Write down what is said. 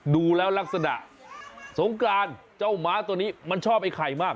ดูแล้วลักษณะสงกรานเจ้าหมาตัวนี้มันชอบไอ้ไข่มาก